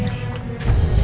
dari keluarga aku sendiri